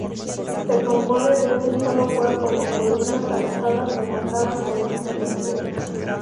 Se compone de un solo cuerpo con columnas adosadas rematadas con estípites.